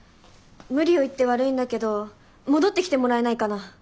無理を言って悪いんだけど戻ってきてもらえないかな。